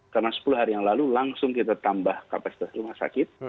karena sepuluh hari yang lalu langsung kita tambah kapasitas rumah sakit